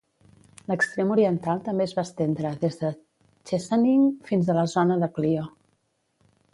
L'extrem oriental també es va estendre des de Chesaning fins a la zona de Clio.